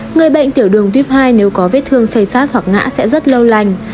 người bệnh tiểu đường tiếp hai nếu có vết thương xây xát hoặc ngã sẽ rất lâu lành